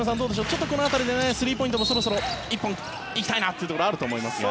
ちょっとこの辺りでスリーポイントもそろそろ１本行きたいなというのはあると思いますが。